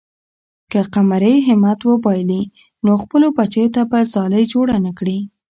که قمرۍ همت وبایلي، نو خپلو بچو ته به ځالۍ جوړه نه کړي.